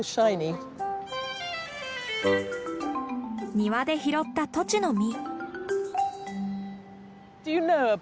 庭で拾ったトチの実。